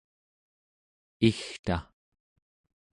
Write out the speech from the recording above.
igta